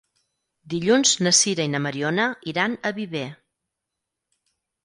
Dilluns na Sira i na Mariona iran a Viver.